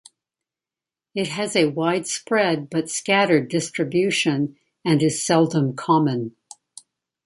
It has a widespread but scattered distribution and is seldom common.